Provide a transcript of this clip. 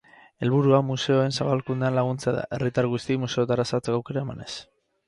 Helburua museoen zabalkundean laguntzea da, herritar guztiei museotara sartzeko aukera emanez.